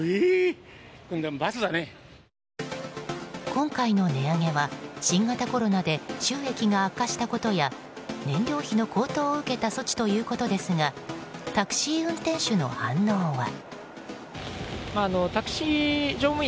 今回の値上げは、新型コロナで収益が悪化したことや燃料費の高騰を受けた措置ということですがタクシー運転手の反応は。